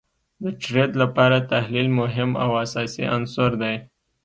د ټریډ لپاره تحلیل مهم او اساسی عنصر دي